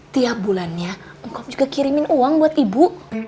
tiap bulannya engkau juga kirimin uang buat ibu